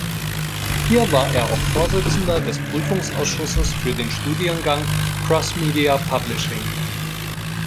Hier war er auch Vorsitzender des Prüfungsausschusses für der Studiengang "Crossmedia Publishing".